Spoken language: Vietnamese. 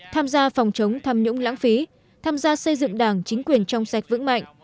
tham gia phòng chống tham nhũng lãng phí tham gia xây dựng đảng chính quyền trong sạch vững mạnh